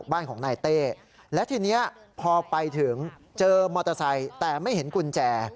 บ้านของนายเต้และทีนี้พอไปถึงเจอมอเตอร์ไซค์แต่ไม่เห็นกุญแจ